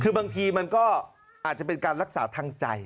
คือบางทีมันก็อาจจะเป็นการรักษาทางใจ